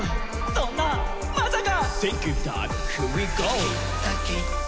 「そんな、、まさか、、。」。